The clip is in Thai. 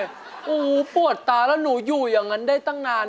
ปูปวดตาแล้วหนูอยู่อย่างนั้นได้ตั้งนาน